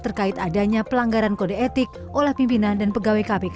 terkait adanya pelanggaran kode etik oleh pimpinan dan pegawai kpk